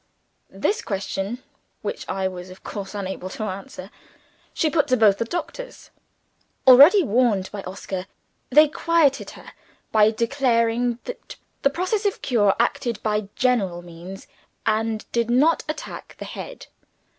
This question (which I was of course unable to answer) she put to both the doctors. Already warned by Oscar, they quieted her by declaring that the process of cure acted by general means, and did not attack the head.